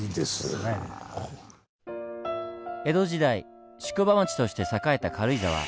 江戸時代宿場町として栄えた軽井沢。